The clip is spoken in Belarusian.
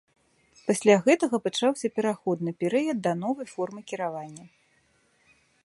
Пасля гэтага пачаўся пераходны перыяд да новай формы кіравання.